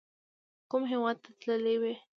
کوم هیواد ته تللي وئ؟